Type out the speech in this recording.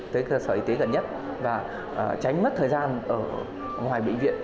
tới cơ sở y tế gần nhất và tránh mất thời gian ở ngoài bệnh viện